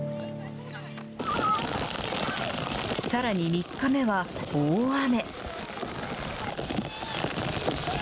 さらに３日目は大雨。